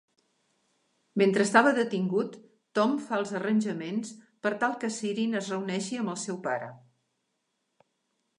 Mentre estava detingut, Tom fa els arranjaments per tal que Siryn es reuneixi amb al seu pare.